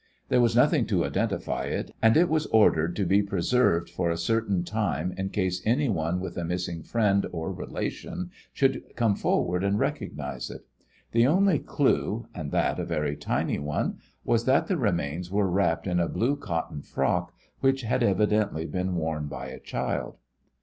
There was nothing to identify it, and it was ordered to be preserved for a certain time in case anyone with a missing friend or relation should come forward and recognize it. The only clue and that a very tiny one was that the remains were wrapped in a blue cotton frock, which had evidently been worn by a child.